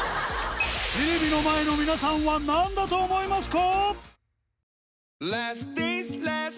テレビの前の皆さんは何だと思いますか？